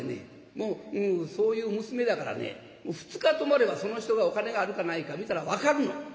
もうそういう娘だからね２日泊まればその人がお金があるかないか見たら分かるの。